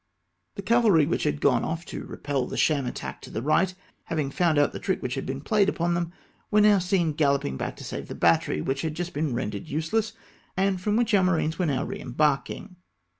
The cavahy, which had gone off to repel the sham attack to the right, having found out the trick which had been played upon them, were now seen galloping back to save the battery, which had just been rendered useless, and fi^om which our marines were now re embarking.